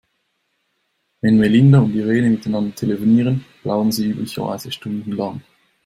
Wenn Melinda und Irene miteinander telefonieren, plaudern sie üblicherweise stundenlang.